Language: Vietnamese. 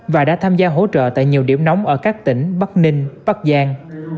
và đã tham gia hỗ trợ tại nhiều điểm nóng ở các tỉnh bắc ninh bắc giang